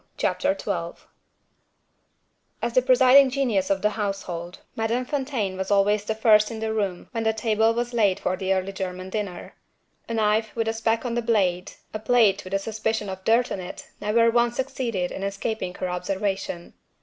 CHAPTER XII As the presiding genius of the household, Madame Fontaine was always first in the room when the table was laid for the early German dinner. A knife with a speck on the blade, a plate with a suspicion of dirt on it, never once succeeded in escaping her observation.